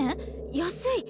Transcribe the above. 安い！